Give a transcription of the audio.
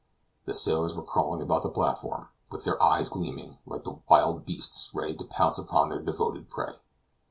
The sailors were crawling about the platform, with their eyes gleaming, like the wild beasts ready to pounce upon their devoted prey.